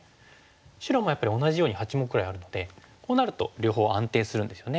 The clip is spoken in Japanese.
白もやっぱり同じように八目ぐらいあるのでこうなると両方安定するんですよね。